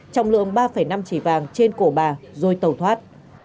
trong lượng ba năm chỉ vàng trên cổ bà rồi tẩu thoát